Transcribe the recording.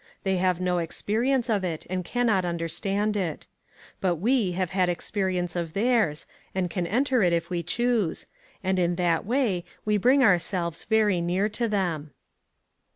They have no experience of it, and can not understand it. But we have had experience of theirs, and can enter it if we choose; and in that way we bring ourselves very near to them.